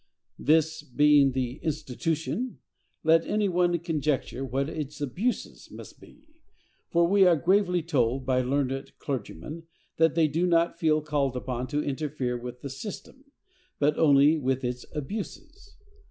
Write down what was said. This being the institution, let any one conjecture what its abuses must be; for we are gravely told, by learned clergymen, that they do not feel called upon to interfere with the system, but only with its abuses.